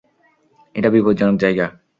এটা বিপজ্জনক জায়গা।